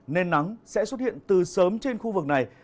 nên nắng sẽ xuất hiện từ sớm trên khu vực này